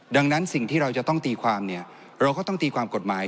ดังนั้นสิ่งที่เราจะต้องตีความเนี่ยเราก็ต้องตีความกฎหมาย